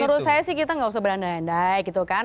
menurut saya sih kita nggak usah berandai andai gitu kan